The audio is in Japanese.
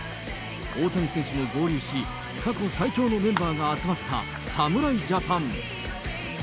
大谷選手も合流し、過去最強のメンバーが集まった侍ジャパン。